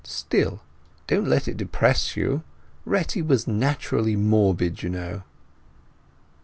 "Still, don't let it depress you. Retty was naturally morbid, you know."